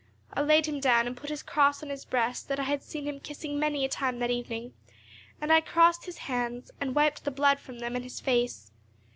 I laid him down, and put his cross on his breast that I had seen him kissing many a time that evening; and I crossed his hands, and wiped the blood from them and his face.